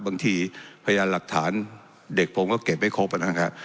พยานหลักฐานเด็กผมก็เก็บไม่ครบนะครับ